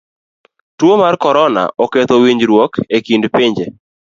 Tuo mar korona oketho winjruok e kind pinje.